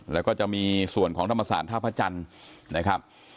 แล้วก็จะมีส่วนของธรรมศาสตร์ท่าพระจันทร์นะครับ